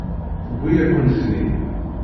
Tewwi-yakent-ten-id.